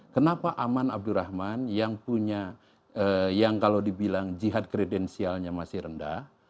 kenapa aman abdurrahman yang punya yang kalau dibilang jihad kredensialnya masih rendah